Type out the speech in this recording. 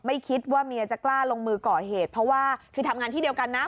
ไม่คิดว่าเมียจะกล้าลงมือก่อเหตุเพราะว่าคือทำงานที่เดียวกันนะ